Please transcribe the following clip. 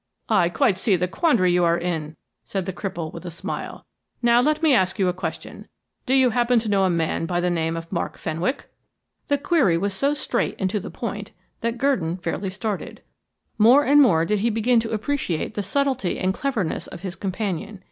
"I quite see the quandary you are in," said the cripple, with a smile. "Now, let me ask you a question. Do you happen to know a man by the name of Mark Fenwick?" The query was so straight and to the point that Gurdon fairly started. More and more did he begin to appreciate the subtlety and cleverness of his companion.